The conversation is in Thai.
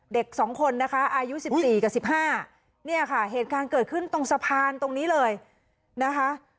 เด็ก๒คนนะคะอายุ๑๔กับ๑๕เนี่ยค่ะเหตุการณ์เกิดขึ้นตรงสะพานตรงนี้เลยนะคะ